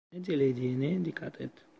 Ne dilediğine dikkat et.